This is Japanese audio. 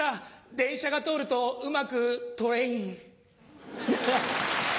電車が通るとうまくトレイン。